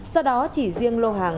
do đó chỉ riêng lô hàng